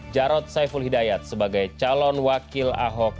jarod saiful hidayat sebagai calon wakil ahok